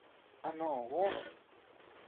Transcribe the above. ¿A noʼö Juó?